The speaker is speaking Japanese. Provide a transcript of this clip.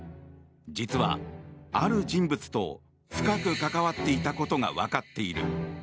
実は、ある人物と深く関わっていたことが分かっている。